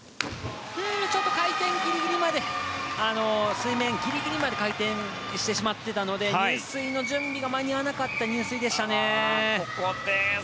水面ギリギリまで回転してしまっていたので入水の準備が間に合わなかった入水でしたね。